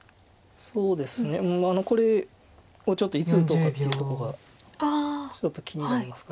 そうですねこれをちょっといつ打とうかというとこが１つ気になりますか。